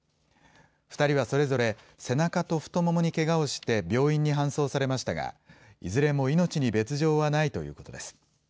２人はそれぞれ、背中と太ももにけがをして病院に搬送されましたが、いずれも命に別状はないということです。